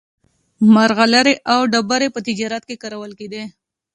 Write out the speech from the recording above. مرغلرې او ډبرې په تجارت کې کارول کېدې.